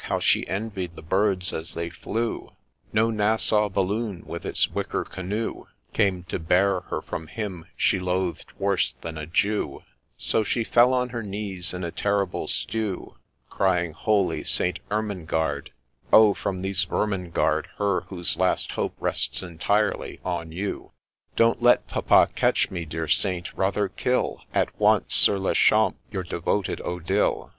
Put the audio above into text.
how she envied the birds as they flew ; No Nassau balloon, with its wicker canoe, Came to bear her from him she loath'd worse than a Jew ; So she fell on her knees in a terrible stew, Crying ' Holy St. Ermengarde I Oh, from these vermin guard Her whose last hope rests entirely on you ;— THE LAY OF ST. ODILLE 166 Don't let papa catch me, dear Saint !— rather kill At once, sur le champ, your devoted Odille